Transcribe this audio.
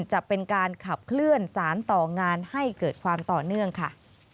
จะเป็นการขับเคลื่อนสารต่องานให้เกิดความต่อเนื่องค่ะ